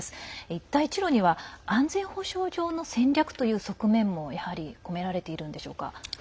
一帯一路には安全保障上の戦略という側面もやはり込められているんでしょうか。